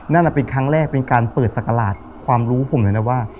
นั่นเป็นครั้งแรกเป็นการเปิดศักราชความรู้ผมเลยนะว่า